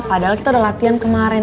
padahal kita udah latihan kemarin